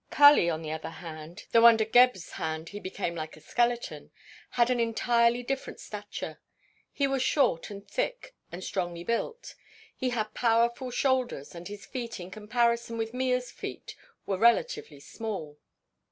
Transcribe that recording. Kali, on the other hand, though under Gebhr's hand he became like a skeleton, had an entirely different stature. He was short and thick and strongly built; he had powerful shoulders and his feet in comparison with Mea's feet were relatively small.